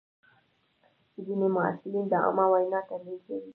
ځینې محصلین د عامه وینا تمرین کوي.